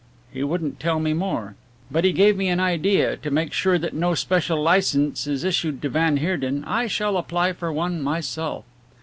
He wouldn't tell me more. But he gave me an idea to make sure that no special licence is issued to van Heerden. I shall apply for one myself."